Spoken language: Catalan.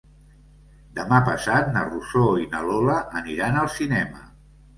Demà passat na Rosó i na Lola aniran al cinema.